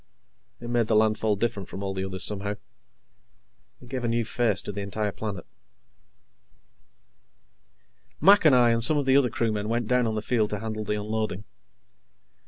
It made the landfall different from all the others, somehow. It gave a new face to the entire planet. Mac and I and some of the other crewmen went down on the field to handle the unloading.